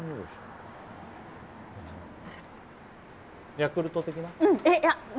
ヤクルト的な？